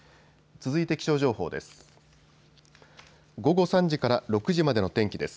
続いて気象情報です。